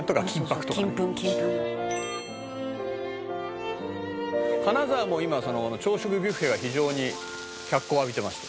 「金粉金粉」「金沢も今朝食ビュッフェが非常に脚光を浴びてまして」